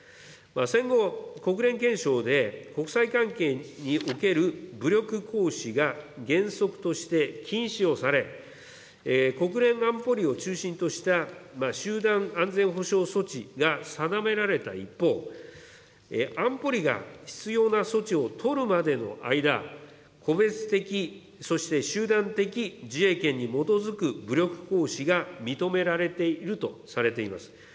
戦後、国連憲章で国際関係における武力行使が原則として禁止をされ、国連安保理を中心とした集団安全保障措置が定められた一方、安保理が必要な措置を取るまでの間、個別的そして集団的自衛権に基づく武力行使が認められているとされています。